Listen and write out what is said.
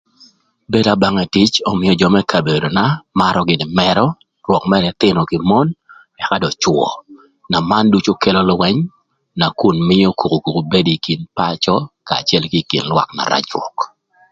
Bedo aböngë tic ömïö jö më kabedona marö gïnï mërö rwök mërë ëthïnö kï mon ëka dong cwö na man ducu kelo lwëny nakun mïö kukukuku bedo ï kin pacö kanya acël kï ï kin lwak na rac rwök.